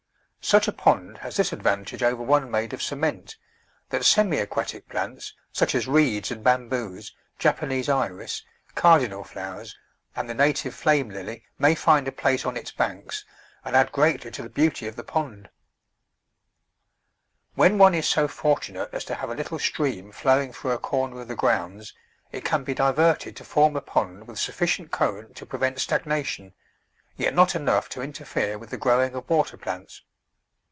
Such a pond has this advantage over one made of cement, that semi aquatic plants, such as Reeds and Bamboos, Jap anese Iris, Cardinal Flowers, and the native Flame Lily may find a place on its banks and add greatly to the beauty of the pond. When one is so fortunate as to have a little stream flowing through a corner of the grounds it can be diverted to form a pond with sufficient current to pre vent stagnation, yet not enough to interfere with the growing of water plants.